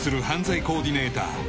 犯罪コーディネーター